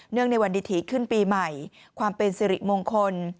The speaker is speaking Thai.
ในวันดิถีขึ้นปีใหม่ความเป็นสิริมงคล